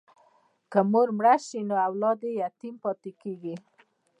که مور مړه شي نو اولاد یې یتیم پاتې کېږي.